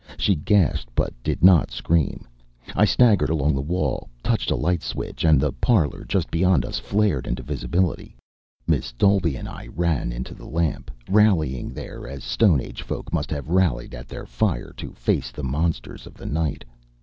She gasped but did not scream. I staggered along the wall, touched a light switch, and the parlor just beyond us flared into visibility. Miss Dolby and I ran in to the lamp, rallying there as stone age folk must have rallied at their fire to face the monsters of the night.